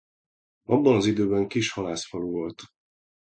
Abban az időben kis halászfalu volt.